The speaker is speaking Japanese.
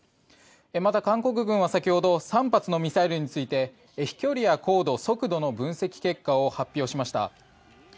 また韓国軍は先ほど３発のミサイルについて飛距離や高度、速度の分析結果を発表しました。